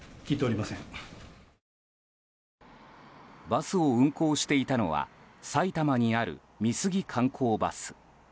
バスを運行していたのは埼玉にある美杉観光バス。